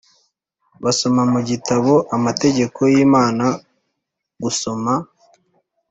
Basoma mu gitabo amategeko y Imana gusoma